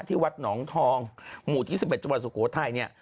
ที่วัดหนองทองหมู่ที่๑๑จังหวัดสุโขทัยเนี่ย